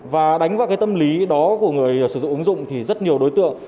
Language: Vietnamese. và đánh vào cái tâm lý đó của người sử dụng ứng dụng thì rất nhiều đối tượng